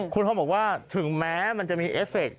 คุณทอมบอกว่าถึงแม้มันจะมีเอฟเค